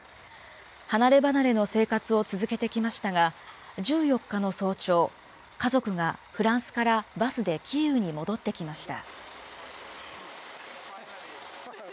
離れ離れの生活を続けてきましたが、１４日の早朝、家族がフランスからバスでキーウに戻ってきました。